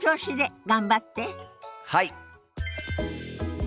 はい！